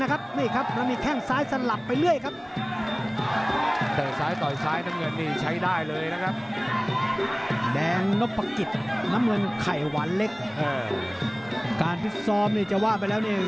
ความเชื่อถือของทั้งคู่เนี่ยใกล้เคียงกันนะ